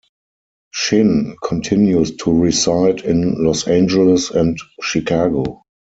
Shin continues to reside in Los Angeles and Chicago.